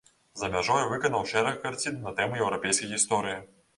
За мяжой выканаў шэраг карцін на тэмы еўрапейскай гісторыі.